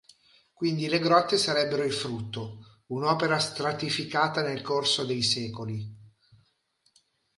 Quindi le grotte sarebbero il frutto un'opera stratificata nel corso dei secoli.